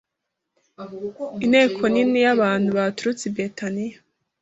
Inteko nini y'abantu baturutse i Betaniya